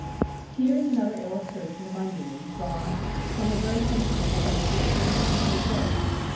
Here is another illustration of my meaning drawn from the very principle which I seek to defend and pre serve.